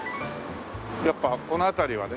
やっぱこの辺りはね